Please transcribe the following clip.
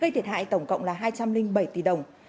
gây thiệt hại tổng cộng là hai trăm linh bảy tỷ đồng